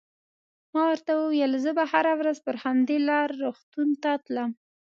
ما ورته وویل: زه به هره ورځ پر همدې لار روغتون ته تلم.